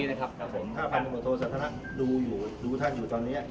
ถ้าพันธบทโทสันทนะดูอยู่ดูท่านอยู่ตอนนี้